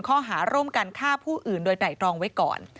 ข้อหาร่วมกันฆ่าผู้อื่นโดยไตรตรองไว้ก่อน